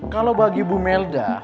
kalau bagi bu melda